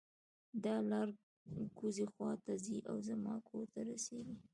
دا لار کوزۍ خوا ته ځي او زما کور ته رسیږي